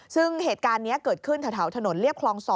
ซึ่งเหตุการณ์นี้เกิดขึ้นแถวถนนเรียบคลอง๒